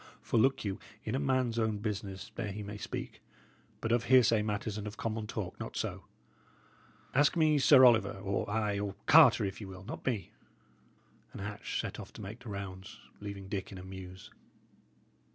For look you, in a man's own business there he may speak; but of hearsay matters and of common talk, not so. Ask me Sir Oliver ay, or Carter, if ye will; not me." And Hatch set off to make the rounds, leaving Dick in a muse.